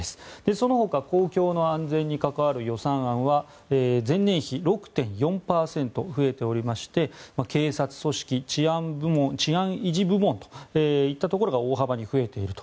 そのほか公共の安全に関わる予算案は前年比６．４％増えておりまして警察組織治安維持部門といったところが大幅に増えていると。